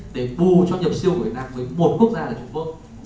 để bù cho nhập siêu của việt nam với một quốc gia ở trung quốc